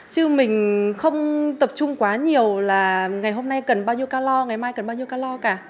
chứ mình không tập trung quá nhiều là ngày hôm nay cần bao nhiêu ca lo ngày mai cần bao nhiêu ca lo cả